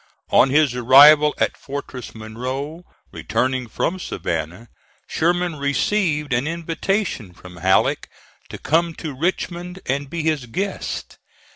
On his arrival at Fortress Monroe returning from Savannah, Sherman received an invitation from Halleck to come to Richmond and be his guest.